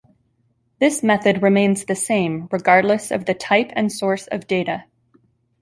This method remains the same regardless of the type and source of data.